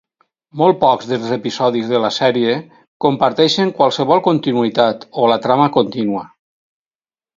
Molt pocs dels episodis de la sèrie comparteixen qualsevol continuïtat o la trama contínua.